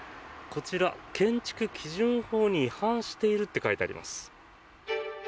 こちら建築基準法に違反しているって書いてあります。